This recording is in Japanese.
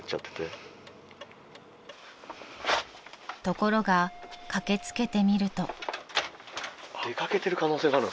［ところが駆け付けてみると］